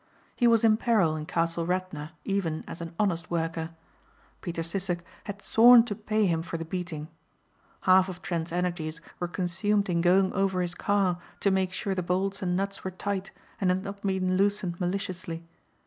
He was in peril in Castle Radna even as an honest worker. Peter Sissek had sworn to pay him for the beating. Half of Trent's energies were consumed in going over his car to make sure the bolts and nuts were tight and had not been loosened maliciously.